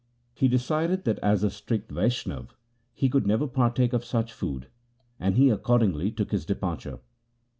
He decided that as a strict Vaishnav he could never partake of such food, and he accordingly took his departure.